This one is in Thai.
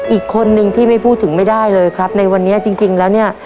อีกคนนึงที่ไม่พูดถึงไม่ได้เลยครับในวันนี้จริงแล้วเนี่ย